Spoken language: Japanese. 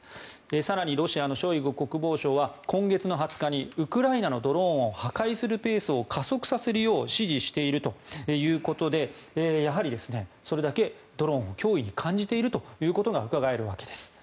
更にロシアのショイグ国防相は今月の２０日にウクライナのドローンを破壊するペースを加速させるよう指示しているということでやはりそれだけドローンを脅威に感じているということがうかがえるわけです。